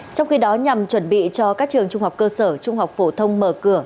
trong khi đó nhằm chuẩn bị cho các trường trung học cơ sở trung học phổ thông mở cửa